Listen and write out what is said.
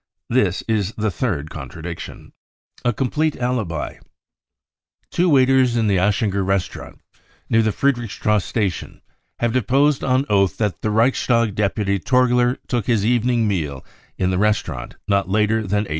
This is the third contradiction* A Complete Alibi. Two waiters in the? Aschinger restaurant near the Friedrichs trasse Station have deposed on oath that the Reichstag deputy Torgler took his even ing meal in the restaurant not later than 8.